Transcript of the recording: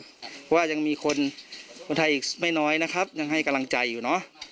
เพราะว่ายังมีคนคนไทยอีกไม่น้อยนะครับยังให้กำลังใจอยู่เนอะ